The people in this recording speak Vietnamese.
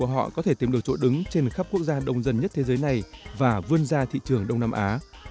họ có thể tìm được chỗ đứng trên khắp quốc gia đông dân nhất thế giới này và vươn ra thị trường đông nam á